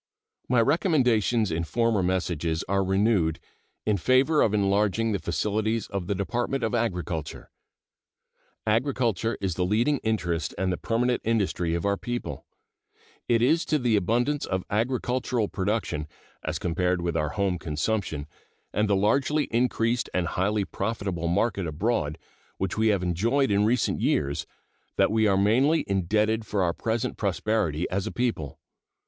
My recommendations in former messages are renewed in favor of enlarging the facilities of the Department of Agriculture. Agriculture is the leading interest and the permanent industry of our people. It is to the abundance of agricultural production, as compared with our home consumption, and the largely increased and highly profitable market abroad which we have enjoyed in recent years, that we are mainly indebted for our present prosperity as a people.